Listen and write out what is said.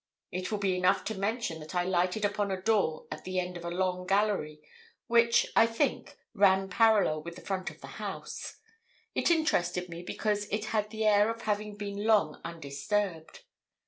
It will be enough to mention that I lighted upon a door at the end of a long gallery, which, I think, ran parallel with the front of the house; it interested me because it had the air of having been very long undisturbed.